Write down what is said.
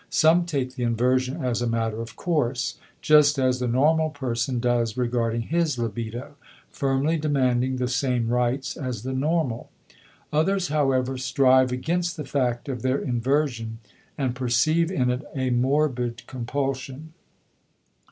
Some take the inversion as a matter of course, just as the normal person does regarding his libido, firmly demanding the same rights as the normal. Others, however, strive against the fact of their inversion and perceive in it a morbid compulsion.